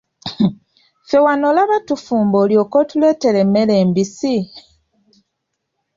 Ffe wano olaba tufumba olyoke otuleetere emmere embisi?